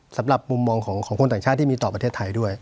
สำหรับมุมมองของคนต่างชาติที่มีต่อประเทศไทยด้วย